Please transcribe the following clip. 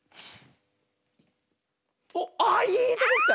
おっああいいとこきた！